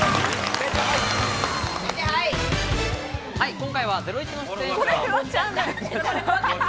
今回は『ゼロイチ』の出演者と。